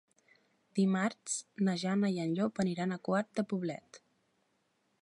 Dimarts na Jana i en Llop iran a Quart de Poblet.